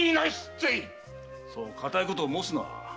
そう堅いことを申すな。